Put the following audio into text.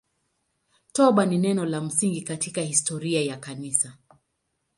Toba ni neno la msingi katika historia ya Kanisa.